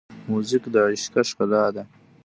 موزیک د عشقه ښکلا ده.